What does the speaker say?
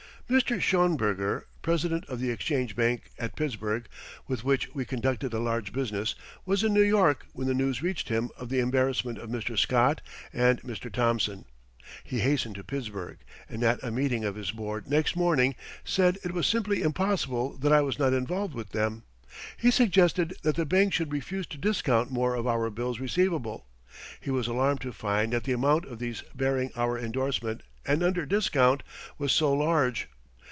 Mr. Schoenberger, president of the Exchange Bank at Pittsburgh, with which we conducted a large business, was in New York when the news reached him of the embarrassment of Mr. Scott and Mr. Thomson. He hastened to Pittsburgh, and at a meeting of his board next morning said it was simply impossible that I was not involved with them. He suggested that the bank should refuse to discount more of our bills receivable. He was alarmed to find that the amount of these bearing our endorsement and under discount, was so large.